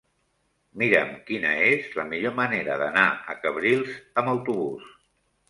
Mira'm quina és la millor manera d'anar a Cabrils amb autobús.